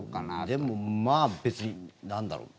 でも、まあ別になんだろう